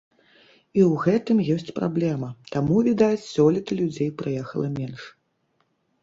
І ў гэтым ёсць праблема, таму, відаць, сёлета людзей прыехала менш.